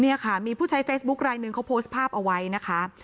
เนี่ยค่ะมีผู้ใช้เฟซบุ๊คลายหนึ่งเขาโพสต์ภาพเอาไว้นะคะ